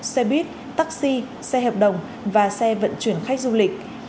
xe buýt taxi xe hợp đồng và xe vận chuyển khách du lịch